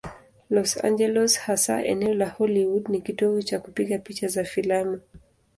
Los Angeles, hasa eneo la Hollywood, ni kitovu cha kupiga picha za filamu.